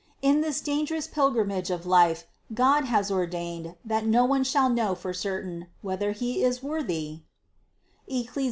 In this dangerous pilgrimage of life God has ordained, that no one shall know for cer tain, whether he is worthy (Eccles.